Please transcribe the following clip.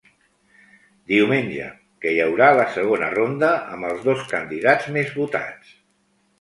Diumenge que hi haurà la segona ronda amb els dos candidats més votats.